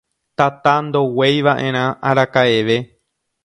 Tata ndogueivaʼerã arakaʼeve.